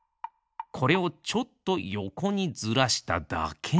これをちょっとよこにずらしただけなのです。